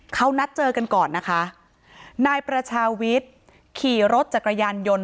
เขานัดเจอกันก่อนนะคะนายประชาวิทย์ขี่รถจักรยานยนต์